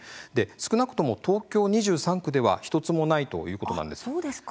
少なくとも東京２３区では１つもないということなんです。